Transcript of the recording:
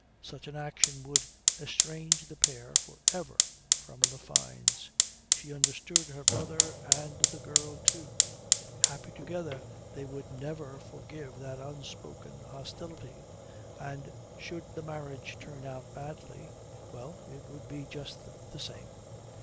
Such an action would estrange the pair for ever from the Fynes. She understood her brother and the girl too. Happy together, they would never forgive that outspoken hostility and should the marriage turn out badly ... Well, it would be just the same.